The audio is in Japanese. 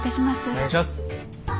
お願いします。